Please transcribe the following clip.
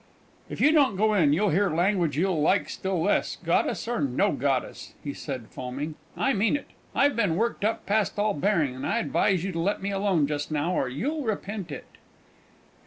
"If you don't go in, you'll hear language you'll like still less, goddess or no goddess!" he said, foaming. "I mean it. I've been worked up past all bearing, and I advise you to let me alone just now, or you'll repent it!"